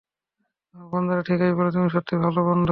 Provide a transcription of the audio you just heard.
তোমার বন্ধুরা ঠিকিই বলে, তুমি সত্যিই ভাল বন্ধু।